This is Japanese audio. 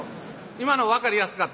今の分かりやすかった。